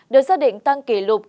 được xác định tăng kỷ lục